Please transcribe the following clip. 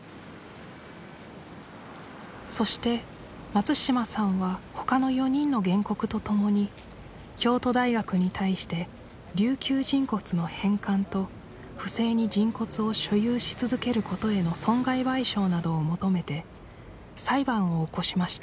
そして松島さんは他の４人の原告とともに京都大学に対して琉球人骨の返還と不正に人骨を所有し続けることへの損害賠償などを求めて裁判を起こしました